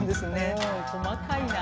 もう細かいな。